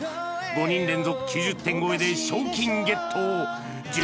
５人連続９０点超えで賞金ゲット！